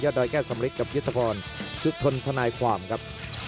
ยอดดอยแก้สำเร็จกับยุติภรณ์สุดทนธนายความครับ